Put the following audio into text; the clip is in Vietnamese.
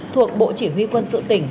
thuộc bộ chỉ huy quân sự tỉnh